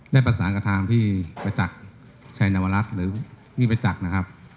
ได้ปรัสสารกับทางที่ไปจักรชัยนวรัฐหรือนี่ไปจักรนะครับ